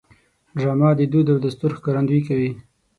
ډرامه د دود او دستور ښکارندویي کوي